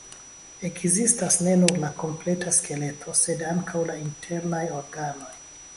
Ekzistas ne nur la kompleta skeleto, sed ankaŭ la internaj organoj.